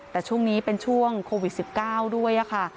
แต่ช่วงนี้เป็นช่วงโควิด๑๙ด้วยค่ะ